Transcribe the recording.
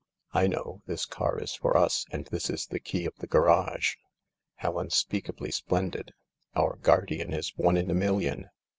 I know ! This car is for us, and this is the key of the garage. How unspeakably splendid ! Our guardian is one in a million